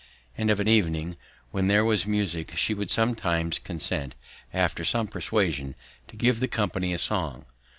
And of an evening when there was music she would sometimes consent, after some persuasion, to give the company a song.